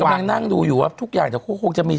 กำลังนั่งดูอยู่ว่าทุกอย่างจะโคกจะมี